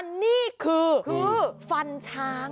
อันนี้คือฟันช้าง